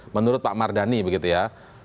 menurut pak mardani begitu ya